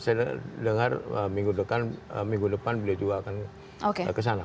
saya dengar minggu depan beliau juga akan kesana